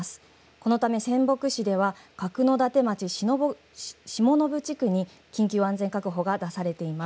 このため仙北市では角館町下延地区に緊急安全確保が出されています。